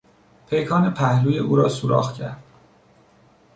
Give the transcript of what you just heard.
پیکان پهلوی او را سوراخ کرد.